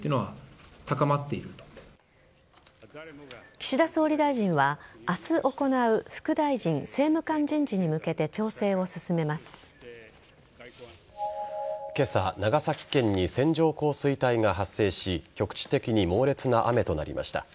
岸田総理大臣は、明日行う副大臣・政務官人事に向けて今朝長崎県に線状降水帯が発生し局地的に猛烈な雨となりました。